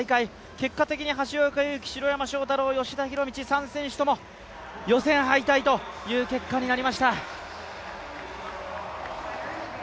結果的に橋岡優輝、城山正太郎、吉田弘道、３選手とも予選敗退という結果になりました。